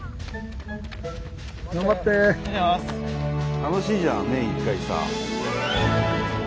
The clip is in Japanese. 楽しいじゃん年１回さ。